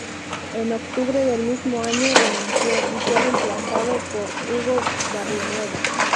En octubre del mismo año renunció, y fue reemplazado por Hugo Barrionuevo.